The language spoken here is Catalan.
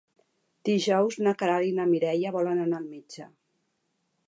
Dijous na Queralt i na Mireia volen anar al metge.